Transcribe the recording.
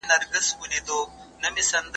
لوستې نجونې د باور پر بنسټ خبرې کوي.